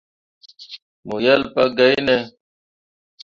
Mo wel pa gai ne.